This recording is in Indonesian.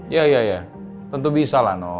ya ya ya tentu bisa lah